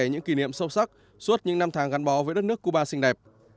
những kỷ niệm sâu sắc suốt những năm tháng gắn bó với đất nước cuba xinh đẹp